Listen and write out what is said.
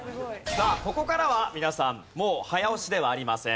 さあここからは皆さんもう早押しではありません。